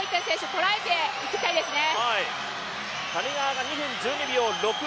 とらえていきたいですね。